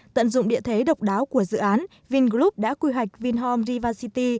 tận dụng địa thế độc đáo của dự án vingroup đã quy hoạch vinhome river city